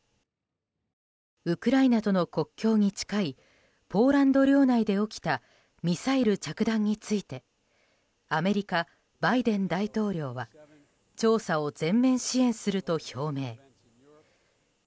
ウクライナとの国境に近いポーランド領内で起きたミサイル着弾についてアメリカ、バイデン大統領は調査を全面支援すると表明。